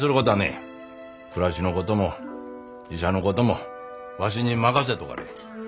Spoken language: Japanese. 暮らしのことも医者のこともわしに任せとかれえ。